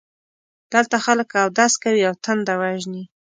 دلته خلک اودس کوي او تنده وژني.